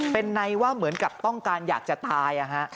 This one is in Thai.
เป็นในว่าเหมือนกับต้องการอยากจะตาย